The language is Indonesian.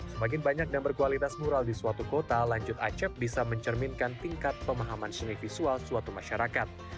semakin banyak dan berkualitas mural di suatu kota lanjut acep bisa mencerminkan tingkat pemahaman seni visual suatu masyarakat